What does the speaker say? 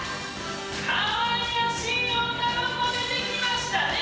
かわいらしい女の子出てきましたねえ！